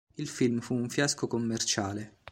Il film fu un fiasco commerciale.